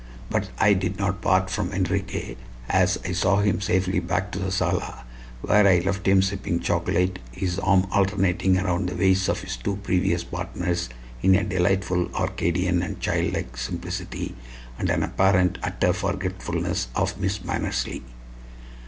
But I did not part from Enriquez until I saw him safely back to the sala, where I left him sipping chocolate, his arm alternating around the waists of his two previous partners in a delightful Arcadian and childlike simplicity, and an apparent utter forgetfulness of Miss Mannersley.